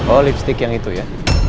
oh lipstick yang itu ya